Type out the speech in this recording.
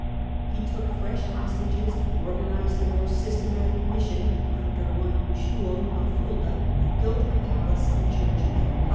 He took fresh hostages, organised a more systematic mission, under one Sturm of Fulda, and built a palace and church at Paderborn.